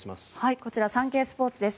こちらサンケイスポーツです。